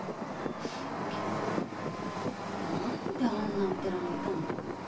けど何であんなお寺にいたんだろう？